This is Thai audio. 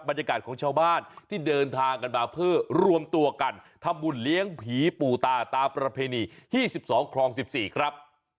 บรรยากาศของชาวบ้านที่เดินทางกันมาเพื่อรวมตัวกันทำบุญเลี้ยงผีปู่ตาตามประเพณี๒๒คลอง๑๔ครับ